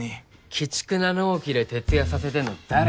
鬼畜な納期で徹夜させてんの誰？